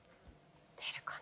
・出るかな？